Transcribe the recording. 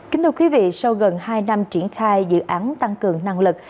kính thưa quý vị sau gần hai năm triển khai dự án tăng cường năng lực